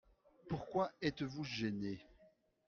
Pourquoi êtes-vous gêné ?